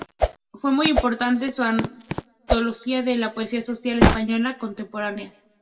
Fue muy importante su antología de la poesía social española contemporánea.